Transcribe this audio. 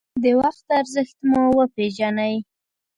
د وخت ارزښت مو وپېژنئ.